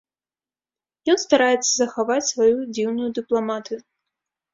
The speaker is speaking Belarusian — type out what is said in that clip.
Ён стараецца захаваць сваю дзіўную дыпламатыю.